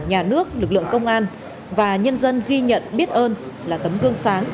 nhà nước lực lượng công an và nhân dân ghi nhận biết ơn là tấm gương sáng